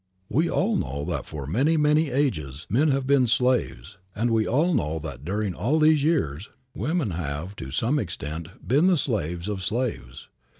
We all know that for many, many ages, men have been slaves, and we all know that during all these years, women have, to some extent been the slaves of slaves.